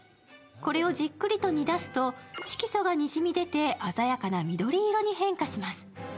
これをじっくりと煮出すと色素がにじみ出て鮮やかな緑色の変化します。